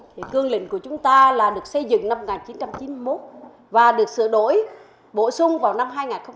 thì cương lĩnh của chúng ta là được xây dựng năm một nghìn chín trăm chín mươi một và được sửa đổi bổ sung vào năm hai nghìn một mươi một